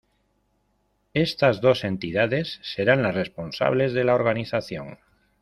Estas dos entidades serán las responsables de la organización.